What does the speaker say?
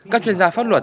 các chuyên gia pháp luật